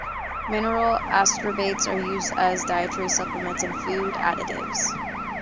Mineral ascorbates are used as dietary supplements and food additives.